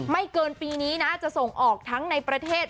เกินปีนี้นะจะส่งออกทั้งในประเทศ